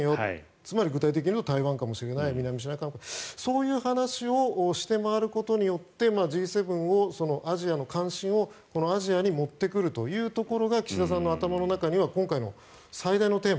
つまり具体的に言うと台湾かもしれないそういう話をして回ることによってＧ７の関心をアジアに持ってくるというところが岸田さんの頭の中には今回の最大のテーマ。